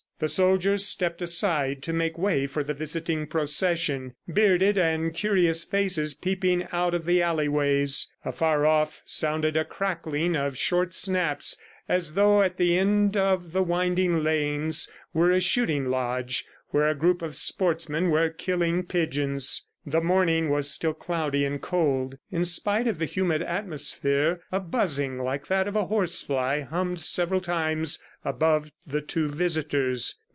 The soldiers stepped aside to make way for the visiting procession, bearded and curious faces peeping out of the alleyways. Afar off sounded a crackling of short snaps as though at the end of the winding lanes were a shooting lodge where a group of sportsmen were killing pigeons. The morning was still cloudy and cold. In spite of the humid atmosphere, a buzzing like that of a horsefly, hummed several times above the two visitors.